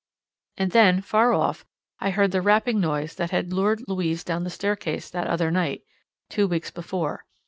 And then, far off, I heard the rapping noise that had lured Louise down the staircase that other night, two weeks before.